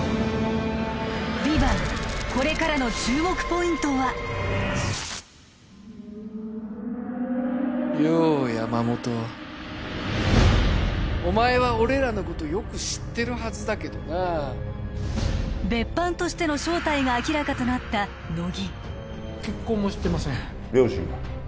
「ＶＩＶＡＮＴ」これからの注目ポイントはよう山本お前は俺らのことよく知ってるはずだけどな別班としての正体が明らかとなった乃木結婚もしてません両親は？